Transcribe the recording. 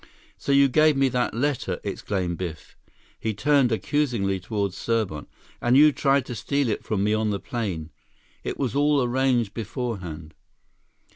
"So you gave me that letter!" exclaimed Biff. He turned accusingly toward Serbot. "And you tried to steal it from me on the plane! It was all arranged beforehand!"